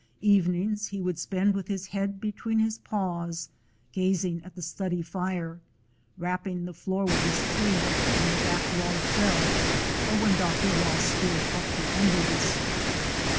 Evenings he would spend with his head be tween his paws, gazing at the study fire, rap ping the floor with his tail when the back log fell, or when Dr. Ross stirred up the embers.